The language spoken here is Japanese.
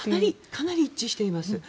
かなり一致しています。